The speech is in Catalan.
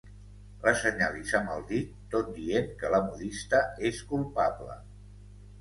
L'assenyalis amb el dit tot dient que la modista és culpable.